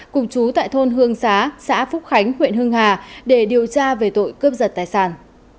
cùng chú tại thôn hương xá xã phúc khánh huyện hưng hà để điều tra về tội cướp giật tài sản